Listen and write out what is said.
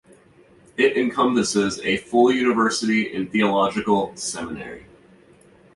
It encompasses a full university and theological seminary.